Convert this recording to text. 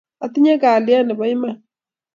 Atinye kalyet nebo iman